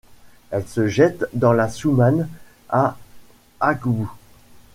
Elle se jette dans la Soummam à Akbou.